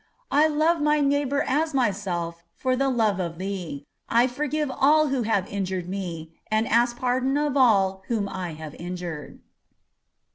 I love my neighbor as myself for the love of Thee. I forgive all who have injured me, and ask pardon of all whom I have injured.